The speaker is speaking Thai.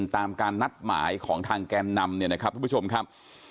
ตามการนัดหมายของทางแกนนำเนี่ยนะครับทุกผู้ชมครับ